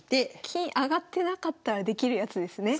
金上がってなかったらできるやつですね？